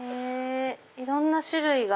いろんな種類が。